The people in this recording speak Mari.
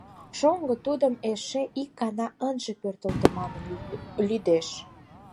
Шоҥго тудым эше ик гана ынже пӧртылтӧ манын лӱдеш.